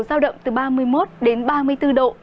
giao động từ ba mươi một đến ba mươi bốn độ